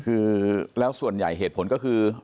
คือแล้วส่วนใหญ่เหตุผลก็คือ